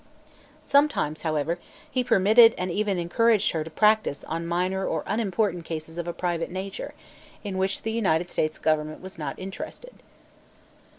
Sometimes, however, he permitted and even encouraged her to "practise" on minor or unimportant cases of a private nature, in which the United States government was not interested.